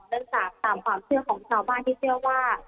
เนื่องจากตามความเชื่อของชาวบ้านที่เชื่อว่า